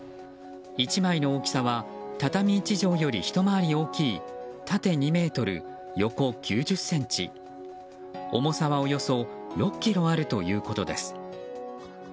１枚の大きさは畳１畳より、ひと回り大きい縦２ｍ、横９０ｃｍ重さはおよそ６ｋｇあるということです。